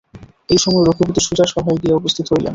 এই সময় রঘুপতি সুজার সভায় গিয়া উপস্থিত হইলেন।